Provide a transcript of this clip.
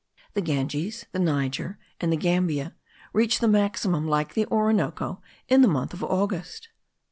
The Ganges, the Niger, and the Gambia reach the maximum, like the Orinoco, in the month of August.